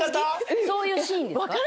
そういうシーンですか？